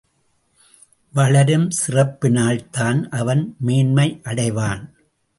வளரும் சிறப்பினால்தான் அவன் மேன்மை அடைவான்.